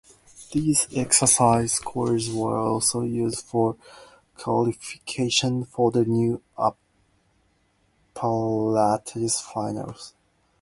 These exercise scores were also used for qualification for the new apparatus finals.